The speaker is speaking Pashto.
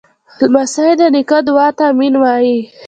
لمسی د نیکه دعا ته “امین” وایي.